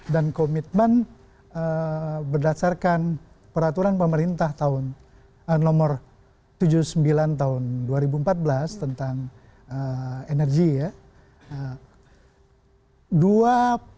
dan komitmen berdasarkan peraturan pemerintah tahun nomor tujuh puluh sembilan tahun dua ribu empat belas tentang energi ya